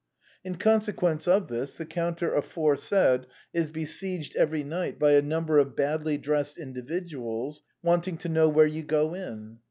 In consequence of this, the counter aforesaid is besieged every night by a number of badly dressed individuals, wanting to know where you go in.